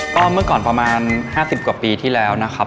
ก็เมื่อก่อนประมาณ๕๐กว่าปีที่แล้วนะครับ